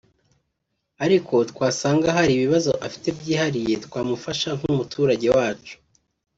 ariko twasanga hari ibibazo afite byihariye twamufasha nk’umuturage wacu”